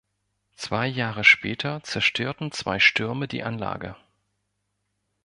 Zwei Jahre später zerstörten zwei Stürme die Anlage.